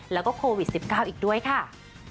แล้วก็โควิด๑๙อีกด้วยค่ะ